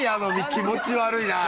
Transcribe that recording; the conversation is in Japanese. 気持ち悪いなぁ。